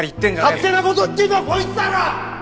勝手なこと言ってんのはこいつだろ！